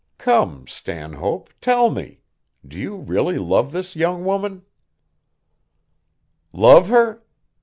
Come, Stanhope, tell me: do you really love this young woman?" "Love her?